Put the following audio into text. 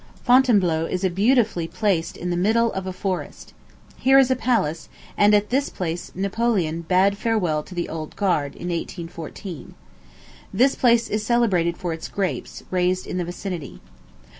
Fontainebleau is beautifully placed in the midst of a forest. Here is a palace, and at this place Napoleon bade farewell to the Old Guard, in 1814. This place is celebrated for its grapes, raised in the vicinity.